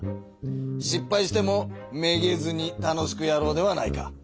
しっぱいしてもめげずに楽しくやろうではないか。